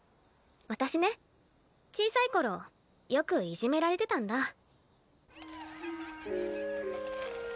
私ね小さい頃よくいじめられてたんだ。